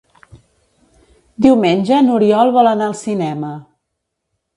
Diumenge n'Oriol vol anar al cinema.